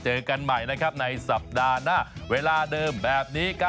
เจอกันใหม่ในสัปดาห์หน้าเวลาเดิมแบบนี้